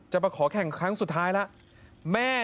มาขอแข่งครั้งสุดท้ายแล้ว